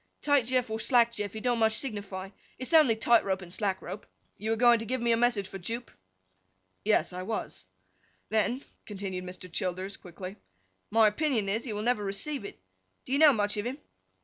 'Tight Jeff or Slack Jeff, it don't much signify: it's only tight rope and slack rope. You were going to give me a message for Jupe?' 'Yes, I was.' 'Then,' continued Mr. Childers, quickly, 'my opinion is, he will never receive it. Do you know much of him?